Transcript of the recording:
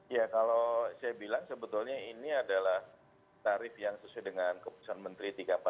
ya kalau saya bilang sebetulnya ini adalah tarif yang sesuai dengan keputusan menteri tiga ratus empat puluh